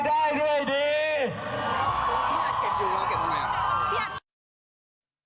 ได้ได้ได้ดี